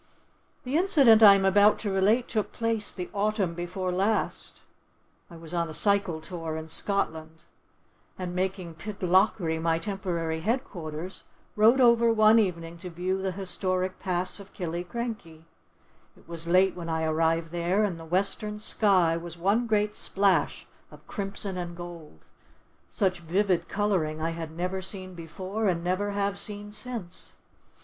The incident I am about to relate took place the autumn before last. I was on a cycle tour in Scotland, and, making Pitlochry my temporary headquarters, rode over one evening to view the historic Pass of Killiecrankie. It was late when I arrived there, and the western sky was one great splash of crimson and gold—such vivid colouring I had never seen before and never have seen since.